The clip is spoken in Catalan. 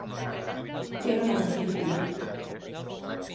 Tenen un fill comú.